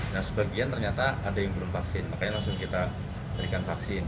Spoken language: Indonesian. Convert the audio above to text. nah sebagian ternyata ada yang belum vaksin makanya langsung kita berikan vaksin